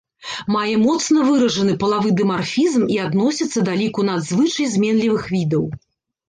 Мае моцна выражаны палавы дымарфізм і адносіцца да ліку надзвычай зменлівых відаў.